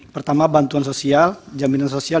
pertama bantuan sosial jaminan sosial